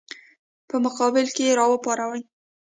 په مقابل کې یې راپاروي.